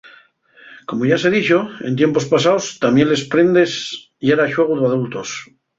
Como yá se dixo, en tiempos pasaos tamién las prendas yera xuegu d'adultos.